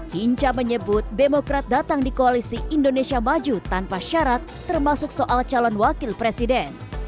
hinca menyebut demokrat datang di koalisi indonesia maju tanpa syarat termasuk soal calon wakil presiden